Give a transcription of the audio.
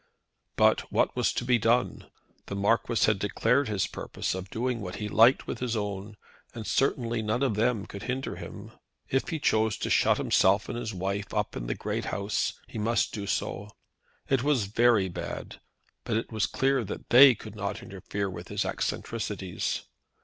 But what was to be done? The Marquis had declared his purpose of doing what he liked with his own, and certainly none of them could hinder him. If he chose to shut himself and his wife up at the big house, he must do so. It was very bad, but it was clear that they could not interfere with his eccentricities.